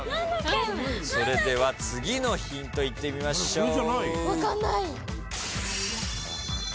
それでは次のヒントいってみましょう。